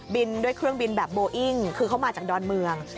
ด้วยเครื่องบินแบบโบอิ้งคือเขามาจากดอนเมือง